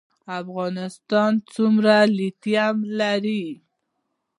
افغانستان څومره لیتیم لري؟